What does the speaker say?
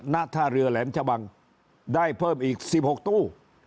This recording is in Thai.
หน้าท่าเรือแหลมชะบังได้เพิ่มอีกสิบหกตู้